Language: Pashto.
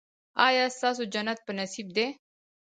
ایا ستاسو جنت په نصیب دی؟